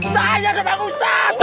saya ya pak ustad